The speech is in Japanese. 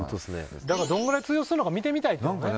だからどのぐらい通用するのか見てみたいっていうね